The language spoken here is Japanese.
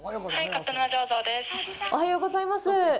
おはようございます。